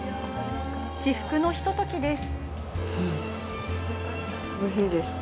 至福のひとときです。